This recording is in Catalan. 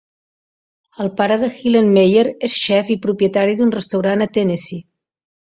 El pare de Hillenmeyer és xef i propietari d'un restaurant a Tennessee.